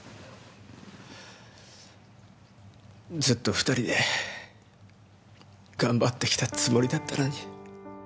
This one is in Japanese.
ずっと２人で頑張ってきたつもりだったのに。